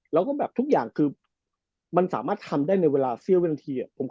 แล้วก็แบบทุกอย่างคือมันสามารถทำได้ในเวลาเสี้ยววินาที